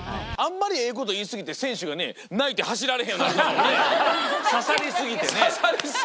あんまりええこと言い過ぎて、選手がね、泣いて走られへんようになるのもね。